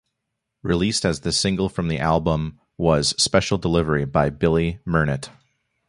Released as the single from the album was "Special Delivery" by Billy Mernit.